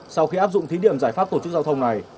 sẽ áp dụng thí điểm giải pháp tổ chức giao thông này